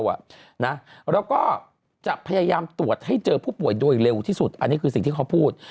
แล้วก็จะพยายามตรวจให้เจอผู้ป่วยโดยเร็วที่สุดอันนี้คือสิ่งที่เขาพูด